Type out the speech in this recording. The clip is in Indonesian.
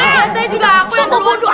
biasanya juga aku yang terburu buru